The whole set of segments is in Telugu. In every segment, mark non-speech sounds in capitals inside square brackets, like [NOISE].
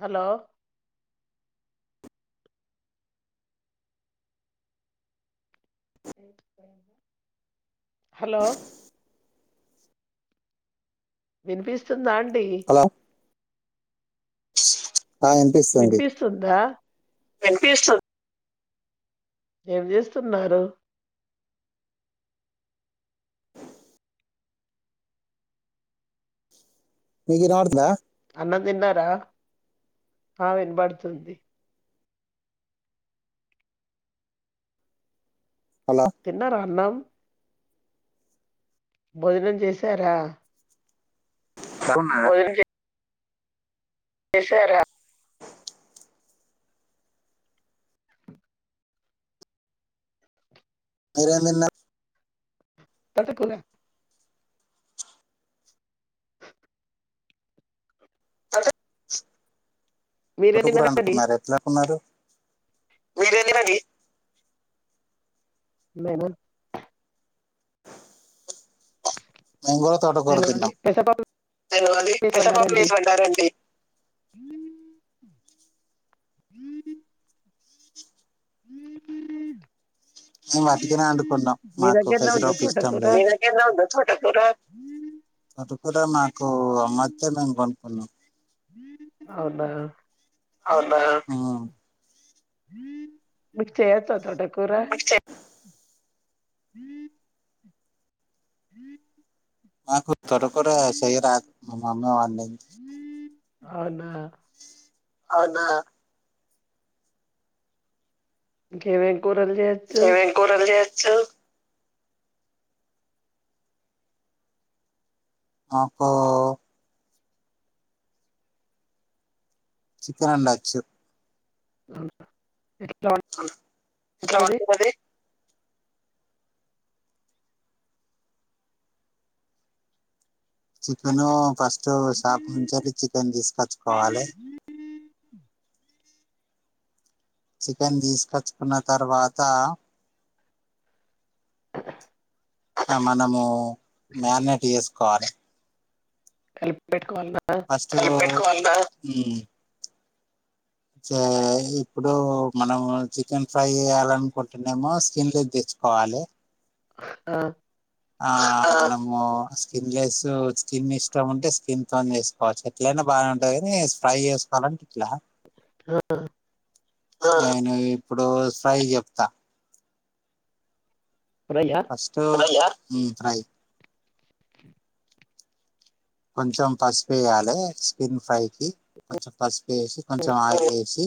హలో హలో వినిపిస్తుందా అండి హలో ఆ వినిపిస్తుంది వినిపిస్తుందా, వినిపిస్తుంది. ఏం చేస్తున్నారు. నీకు వినపడుతుందా, అన్నం తిన్నారా ఆ వినబడుతుంది. హలో తిన్న రా అన్నం భోజనం చేసారా, [UNINTELLIGIBLE] చేశారా మీరేం తిన్నారు, తోటకూర అంటే మీరేం తోటకూర తిన్నారండి వండుకున్నారా, ఎట్లా వండుకున్నారు. [UNINTELLIGIBLE] నేనేం మేం కూడా తోటకూర నేను అది తింటాం, పెసరపప్పు నేను అది పెసరపప్పు లో వేసి వండము, హు హు [UNINTELLIGIBLE] మేము వట్టిగానే వండుకుంన్నా మీ మాకు దగ్గరనే ఉందా పెసరపప్పు ఇష్టం తోటకూర లేదు, తోటకూర మాకు అమ్మోతే మేము కొనుక్కున్నాం, అవునా అవునా ఉ మీకు చేయొచ్చా అట్లా మీకు చే [UNINTELLIGIBLE] [UNINTELLIGIBLE] నాకు తోటకూర చెయ్యరాదు మా మమ్మీ వండింది. అవునా అవునా ఇంకేమైంది. నీకు ఎం కూరలు చేయొచ్చు, నాకు చికెన్ వండొచ్చు, అవునా ఓకే [UNINTELLIGIBLE] చికెను ఫస్ట్ స్ట్ షాపు నుంచె తెచ్చి చికెన్ తీసుకొచ్చుకోవాలి చికెన్ తీసుకొచ్చుకున్న తర్వాత అట్ట మనము మ్యారినేట్ చేసుకోవాలి కలిపి పెట్ ఫస్ట్ [UNINTELLIGIBLE] హ్మ్ చే ఇప్పుడు మనం చికెన్ ఫ్రై చేయాలనుకుంటునేమో స్కిన్ లెస్ తెచ్ కోవాలే అ ఆ మనము స్కిన్ లెస్ స్కిన్ ఇష్టం ఉంటే స్కిన్ తోని చేసుకోవచ్చు ఎట్లైన అంత బానే ఉంటది ఫ్రై చేసుకోవాలంటే ఇట్ల [INAUDIBLE] నేను ఇప్పుడు ఫ్రై చెప్తా ఫ్రైయా ఫస్ట్ హ్మ్ ఫ్రై కొంచెం పసుపేయాలే చికెన్ ఫ్రై కి కొంచెం పసుపు వేసి కొంచెం ఆయిల్ వేసి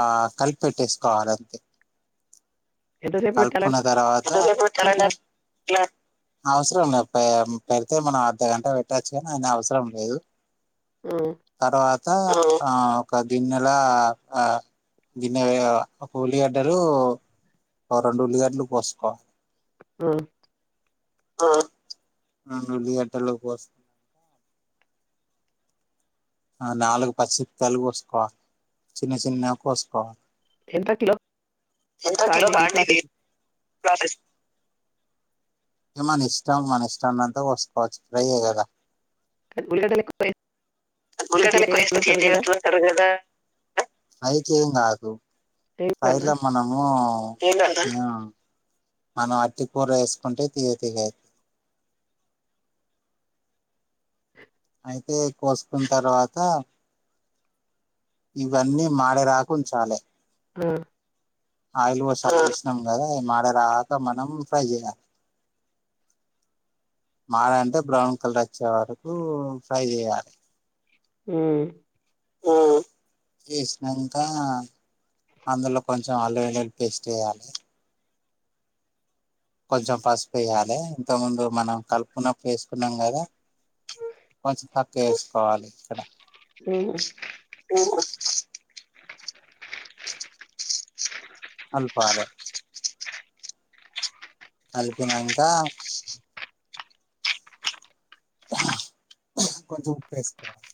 ఆ కలిపెట్టేసుకోవాలంతే ఎంతసేపు కల్పుకున్న పెట్టాలండి తరువాత అట్లా అవసరం లే పెడితే మనం అర్ధగంట పెట్టొచ్చు కానీ అవసరం లేదు మ్ అంత ఒక దిన్నల ఆ గిన్నె మా ఒక ఉల్లిగడ్డలు రెండు ఉల్లిగడ్డలు కోసుకో ఉమ్ ఆ ఆ నాలుగు పచ్చిత్తాలు కోసుకోవాలె చిన్న చిన్న కోసుకోవాలె ఎంత కిలో కాండి ఇది [UNINTELLIGIBLE] ప్రాసెస్ ఏ మన ఇష్టం మన ఇష్టం ఉన్నంత పోస్కోచ్చు ఫ్రై కదా ఉల్లిగడ్డలు ఎప్పుడు పోయాలి అయితె ఏం కాదు ఏం కాదా ఫ్రైలో మనము మనం అట్టి కూూర వేసుకుంటే తీియతి నెగా అయితే కోసుకున్న తర్వాత ఇవన్నీ మాడే రాకుం చాలే ఉమ్ ఆయిల్ పోసినాక తీసినాం కదా మాడే రాగాక మనం ఫ్రై చేయాలి మాడె అంటే బ్రౌన్ కలర్ వచ్చే వరకు ఫ్రై చేయాలి ఉమ్ చేసినాంక అందులో కొంచం అల్లు ఎల్లులు పేస్ట్ వేయాలి కొంచం పసుపు వెయాలె ఇంత ముందు మనం కలుపుకున్నప్పు వేసుకున్నాం కదా కొంచెం తక్కువ వేసుకోవాలి ఉమ్ ఊహు కల్పాలె కల్పిి నాంక కొంచం ఉప్పేసుకోవాలె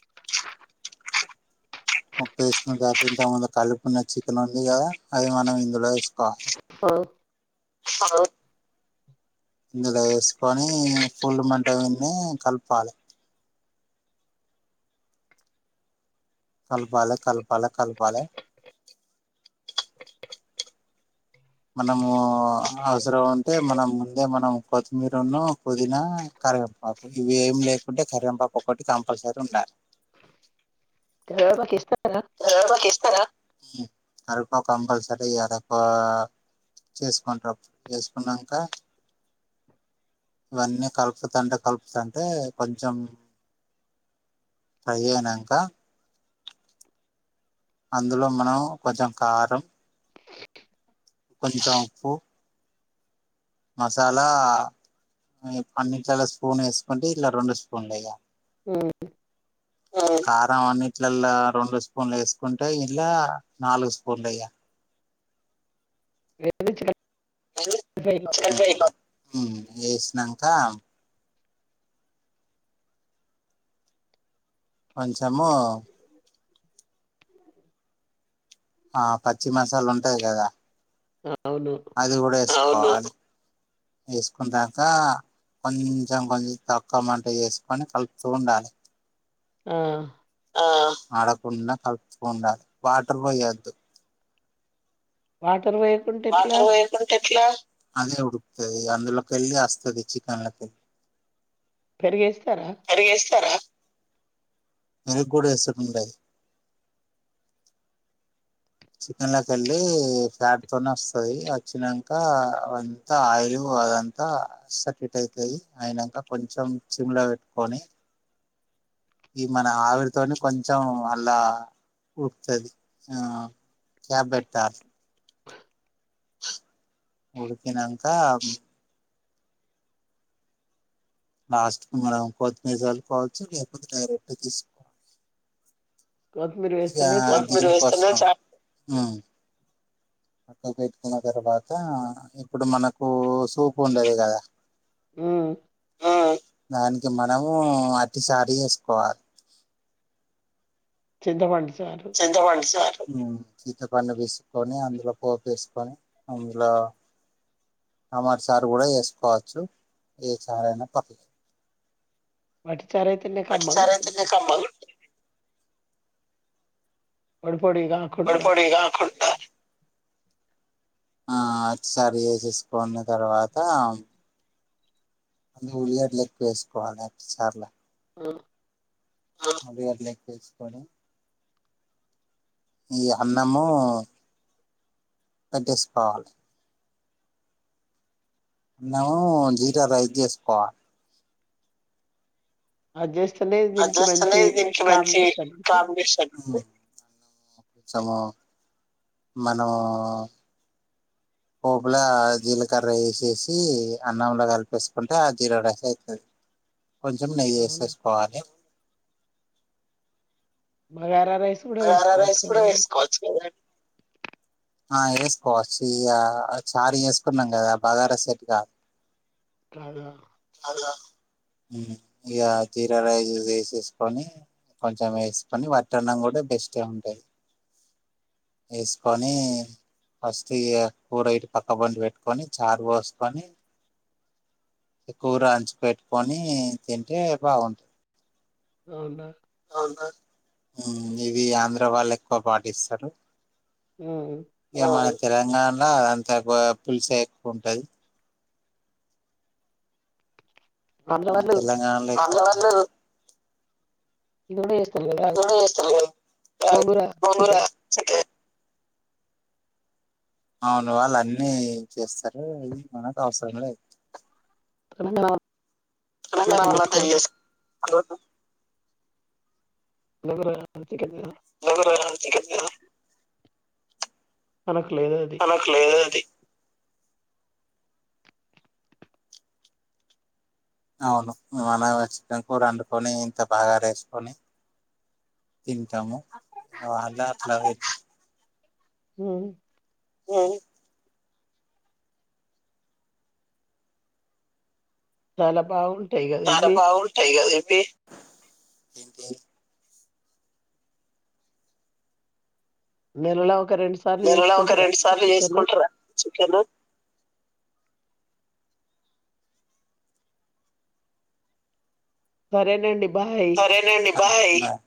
ఒకేసుకుక ఇ ముందు కలిపున్న చికెన్ ఉంది కదా అది మనం ఇందులో వేసుకోవాలి ఓ ఆ వ్ ఇందులో వేసుకొని ఫూల్ మంట విని కలపాలి కల్ పాలె కల్ పాలె కల్ పాలె మనము అవసరం ఉంటే మనం ముందే మనం కొత్తిమీరును పుదీనా కరింపాకు ఇవి ఏం లేకుంటే కరిీవంపాప ఒకటి కంపల్సరీ ఉండాలి కరివేపాకు వేస్తారు కరేపాకేస్తారా ఉ కరేపాకు కంపల్సరీ వేయాలి ఒక చేసుకుంటారుప్పుడు చేసుకున్నాక ఇవన్నీ కలుపుతంటే కలుపుతుంటే కొంచెం ప్ర ఏేనాంక అందులో మనం కొంచెం కారం కొంచం ఉప్పు మసాలా అన్నిట్లలో స్పూన్ వేసుకుంటే ఇందులో రెండు స్పూన్లు్యా ఉమ్ ఉ కారం అని ఇట్లలా రెండు స్పూన్లు వేసుకుంటే ఇలా నాలుగు స్పూన్లు వెయ్యాలి ఏ చి నా ఉ వేసినాక కొంచము ఆ పచ్చి మసాలా ఉంటది కదా అవును అవును వేసుకోవాలి వేసుకున్నాక కొంచెం కొంచెం తక్కువ మంట చేసుకొని కలుపుతూ ఉండాలి ఆ ఆ మాడకుండా కలుపుకు ఉండాలి వాటర్ పోయద్దు వట్ వాటర్ పొయ్యకుంటే ఎట్లా అదే ఉడుకుతది అందులోకి వెళ్ళలి వస్తుది చికెన్లకిళ్ పెరుగు వేస్తారా పెరుగు కూడా వేసే కి కుండదు చికెన్ కె వెళ్ళలి ఫ్యాట్ తోనే వస్తది వచ్చాక అ అంతా ఆయిల్ అదంతా సటిట్ అవుతుది అయినక కొంచెం సిమ్ లో పెట్టుకొని ఈ మన ఆవిరితోనే కొంచెం అలా ఉడుకుతుది ఆ క్యాబ్ పెడతా బ ఉడికినంక లాస్ట్ కు మనం కొత్తిమీర చల్లుకోవచ్చు లేకపోతే డైరెక్ట్ తీసుకోవాలి కొత్తిమీర వేస్తేనే చారు కొత్తిమీర వేసుకొన ఇగ ఉ పక్క పెట్టుకున్న తర్వాత ఇప్పుడు మనకు సూపు ఉండది కదా ఉమ్ దానికి మనము అతి చారు చేసుకోవాలి చింతపండు చారు చింతపండు చారు ఉ చింతపండు పిసుకోని అందులో పోపు వేసుకొని అందులో టమాట చారు కూడా వేసుకోవచ్చు ఏ చారు అయినా ప టమాట చారు అయితేనే వట్టి కమ్మంగా అయితేనే ఉంటాది కమ్మగుం పొడి కాకుండా పొడి కాకుండా ఆ చారు చేసేసుకున్న తర్వాత ఉల్లిగడ్డలు వేసుకోవాలి చార్ల ఉ ఉ ఉల్లిగడ్డలు ఎక్కువ వేసుకొని ఈ అన్నము పెట్టేసుకోవాలి అన్నము జీరా రైస్ చేసుకోవాలి [UNINTELLIGIBLE] అదిస్తులే మంచి దీనికి మంచి కాంబినేషన్ ఉంటది కాంబినేషన్ ఉంది కొంచము మనము పోపులా జీలకర్ర వేసేసి అన్నంలో కలిపేసుకుంటే ఆ జీర రైస్ అవుతది కొంచెం నెయ్యి అవునా వేసేసుకోవాలి. బగారా రైస్ కూడా బగారా వేసుకోవచ్చు రైస్ కూడా కదండి వేసుకోవచ్చు కదా ఆ వేసుకోవచ్చు ఇగ చార్ చేసుకున్నాం కదా బగారా సెట్ కాదు కదా ఉ ఇగ జీరా రైస్ వేసేసుకొని కొంచెం వేసుకొని వట్టి అన్నం కూడా బెస్ట్ ఉంటాయి తీసుకొని ఫస్ట్ కూర ఇటు పక్క పొంటి పెట్టుకొని చారు పోసుకొని కూర అంచుకు పెట్టుకొని తింటే బాగుంటంది. అవున్ ఇది ఆంధ్ర వాళ్ళు ఎక్కువ పాటిస్తారు అ ఇక మన తెలంగాణలో అంత ఎక్కువ పులుసే ఎక్కువ ఉంటది ఆంధ్ర ఆ మా వాళ్ళు తెలంగాణ ల, ఆంధ్రా వాళ్ళు ఈడ గూడ చెస్తారు గదా గోంగూర చికెన్ అవును వాళ్ళు అన్నీ చేస్తారు ఇ మనకు అవసరం లేదు తెలంగాణ తెలంగాణ వాళ్ళంతా వాళ్ళు అంత చేసుకోరు చేస్ హలో గోంగూర, చికెన్ ఆ గోంగూర కాడ్ చికెన్ మనకు లేదు అది మనకు లేదు అది అవును మనకు వచ్చిన కూడా వండుకొని ఇంత బాగార వేసుకొని తింటాము అలా అట్లా ఉమ్ ఆ చాలా బావుంది చాలా బాగున్నాటాయి కదా ఇవి నెలలా ఒక రెండు సార్లు నెలలో ఒక చేసుకుంటార రెండు సార్లు చికెను చేసుకుంటారా చికెన్ సరేనండి బాయ్ సరేనండి బాయ్